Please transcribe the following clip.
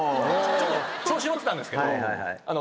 ちょっと調子乗ってたんですけど。